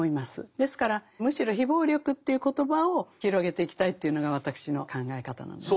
ですからむしろ非暴力という言葉を広げていきたいというのが私の考え方なんです。